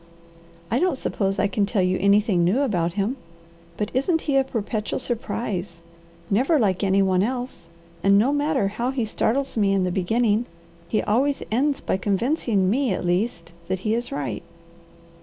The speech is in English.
I don't suppose I can tell you anything new about him; but isn't he a perpetual surprise? Never like any one else! And no matter how he startles me in the beginning, he always ends by convincing me, at least, that he is right."